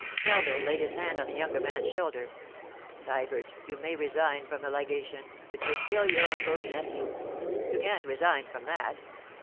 Melville laid his hand on the younger man's shoulder. 'Sybert, you may resign from the legation, but you're still your uncle's nephew. You can't resign from that.